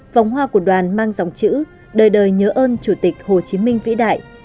vòng hoa của đoàn mang dòng chữ đời đời nhớ ơn chủ tịch hồ chí minh vĩ đại